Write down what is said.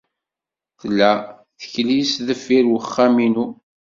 Tella teklizt deffir wexxam-inu.